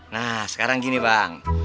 nah sekarang gini bang